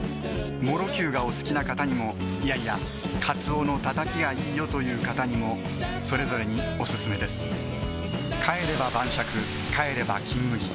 もろきゅうがお好きな方にもいやいやカツオのたたきがいいよという方にもそれぞれにオススメです帰れば晩酌帰れば「金麦」